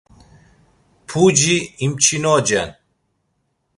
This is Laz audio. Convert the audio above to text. Puci imçinocen.